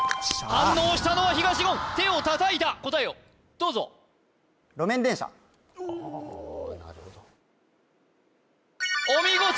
反応をしたのは東言手を叩いた答えをどうぞなるほどお見事！